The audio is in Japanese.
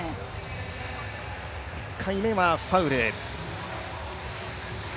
１回目はファウル。